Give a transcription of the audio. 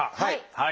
はい。